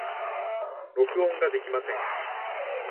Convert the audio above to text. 録音ができません。